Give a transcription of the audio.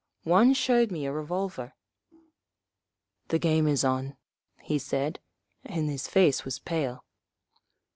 One showed me a revolver. "The game is on," he said, and his face was pale.